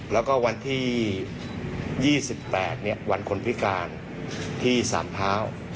แล้วก็วันที่๒๘วันคนพิการที่สามเท้า